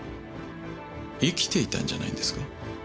生きていたんじゃないんですか？